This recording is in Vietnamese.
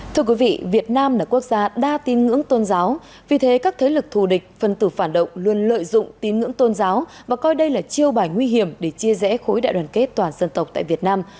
thưa quý vị việt nam là quốc gia đa tin ngưỡng tôn giáo vì thế các thế lực thù địch phân tử phản động luôn lợi dụng tín ngưỡng tôn giáo và coi đây là chiêu bài nguy hiểm để chia rẽ khối đại đoàn kết toàn dân tộc tại việt nam